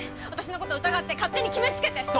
私のこと疑って勝手に決めつけて！